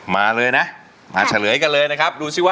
มาเลยนะมาเฉลยกันเลยนะครับ